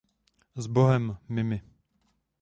Sbohem, Mimi.